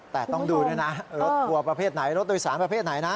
แต่ต้องดูด้วยนะรถทัวร์ประเภทไหนรถโดยสารประเภทไหนนะ